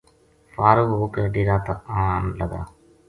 فارغ ہو کے ڈیرا تا آں لگا